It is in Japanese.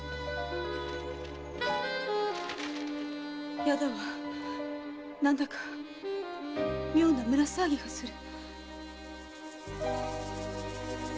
いやだわ何だか妙な胸騒ぎがする。